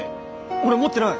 俺持ってない！